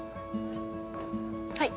はい。